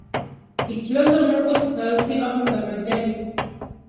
Ikibazo nuko tutazi aho Ndamage ari.